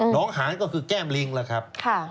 น้องหารก็คือแก้มลิงนะครับ